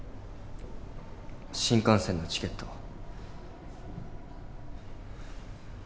新幹線のチケット。